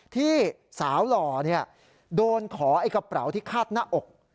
ที่สาวหล่อโดนขอไอ้กระเป๋าที่คาดหน้าอก